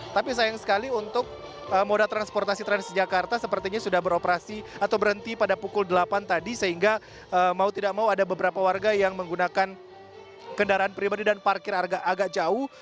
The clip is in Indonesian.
tapi sayang sekali untuk moda transportasi transjakarta sepertinya sudah beroperasi atau berhenti pada pukul delapan tadi sehingga mau tidak mau ada beberapa warga yang menggunakan kendaraan pribadi dan parkir agak jauh